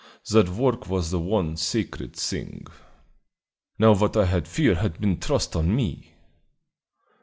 That work was the one sacred thing. Now what I had feared had been thrust on me.